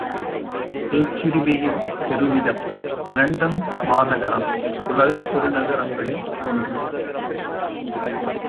பேச்சுரிமையில் பெருமிதம் இலண்டன் மாநகரம், உலகப் பெருநகரங்களில் ஒன்று.